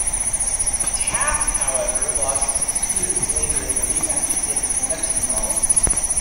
Taft, however, lost six years later in a rematch against Metzenbaum.